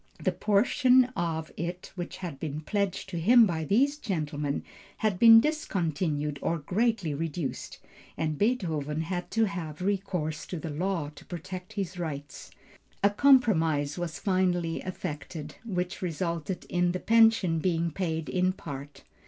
The portion of it which had been pledged to him by these gentlemen had been discontinued or greatly reduced, and Beethoven had to have recourse to the law to protect his rights. A compromise was finally effected, which resulted in the pension being paid in part.